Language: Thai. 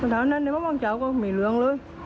ตอนนั้นในบ้างเจ้าก็มีเรืองเลย